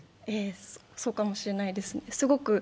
ええ、そうかもしれないです